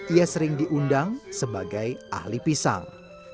ia sering diundang sebagai ahli pisang